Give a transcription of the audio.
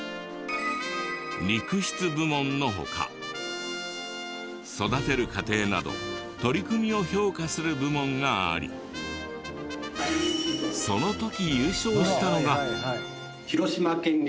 肉質部門の他育てる過程など取り組みを評価する部門がありその時優勝したのが。